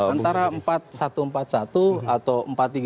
antara empat satu empat satu atau empat tiga